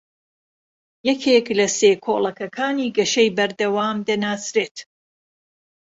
یەکێک لە سێ کۆڵەکەکانی گەشەی بەردەوام دەناسرێت